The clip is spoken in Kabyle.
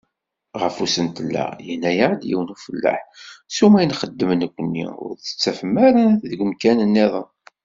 Ɣef usentel-a, yenna-aɣ-d yiwen n ufellaḥ: "Ssuma i nxeddem nekkni, ur tt-ttafen ara deg umkan-nniḍen."